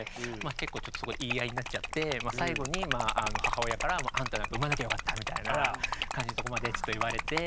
結構ちょっとそこで言い合いになっちゃって最後に母親からみたいな感じのとこまでちょっと言われて。